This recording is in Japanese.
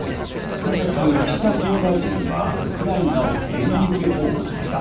今月、岸田総理大臣はウクライナを電撃訪問しました。